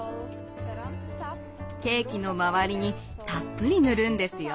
ケーキの周りにたっぷりぬるんですよ。